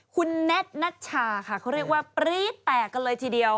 คุณแน็ตนัชชาค่ะเขาเรียกว่าปรี๊ดแตกกันเลยทีเดียว